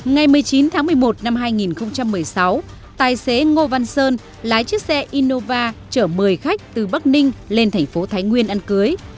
ngày một mươi chín tháng một mươi một năm hai nghìn một mươi sáu tài xế ngô văn sơn lái chiếc xe innova trở một mươi khách từ bắc ninh lên thành phố thái nguyên ăn cưới